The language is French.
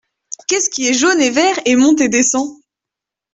Qu’est-ce qui est jaune et vert et monte et descend ?